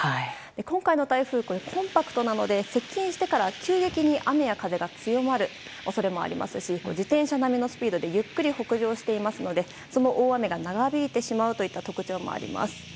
今回の台風はコンパクトなので接近してから急激に雨や風が強まる恐れもありますし自転車並みのスピードでゆっくり北上していますのでその大雨が長引いてしまうという特徴もあります。